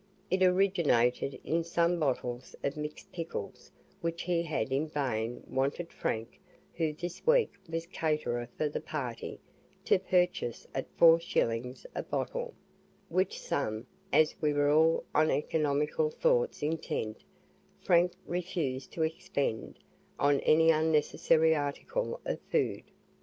It originated in some bottles of mixed pickles which he had in vain wanted Frank, who this week was caterer for the party, to purchase at four shillings a bottle, which sum, as we were all on economical thoughts intent, Frank refused to expend on any unnecessary article of food.